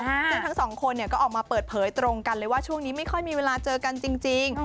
ซึ่งทั้งสองคนก็ออกมาเปิดเผยตรงกันเลยว่าช่วงนี้ไม่ค่อยมีเวลาเจอกันจริง